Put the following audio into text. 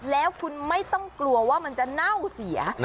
แล้วคุณไม่ต้องกลัวว่ามันจะเน่าเสีย